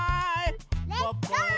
レッツゴー！